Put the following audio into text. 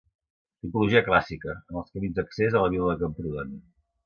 Tipologia clàssica, en els camins d'accés a la vila de Camprodon.